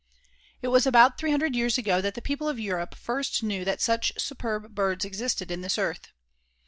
It was about three hundred years ago that the people of Europe first knew that such superb birds existed on this earth.